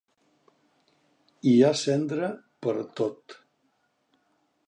Hi ha cendra pertot.